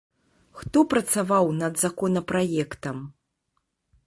Хто працаваў над законапраектам?